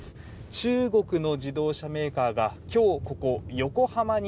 中国の自動車メーカーが今日、ここ横浜に